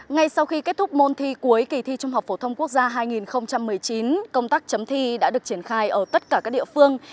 ngay sau khi kết thúc môn thi cuối kỳ thi trung học phổ thông quốc gia hai nghìn một mươi chín công tác chấm thi đã được triển khai ở tất cả các địa phương